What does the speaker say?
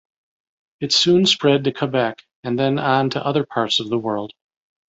It soon spread to Quebec and then on to other parts of the world.